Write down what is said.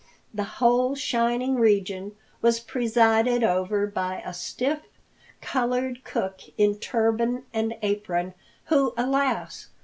The whole shining region was presided over by a stiff, colored cook in turban and apron, who, alas!